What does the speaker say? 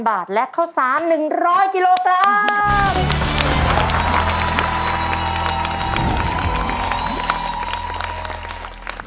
๑๕๐๐๐บาทและข้าวสาร๑๐๐กิโลครับ